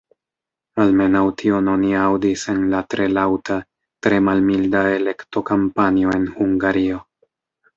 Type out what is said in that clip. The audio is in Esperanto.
Almenaŭ tion oni aŭdis en la tre laŭta, tre malmilda elekto-kampanjo en Hungario.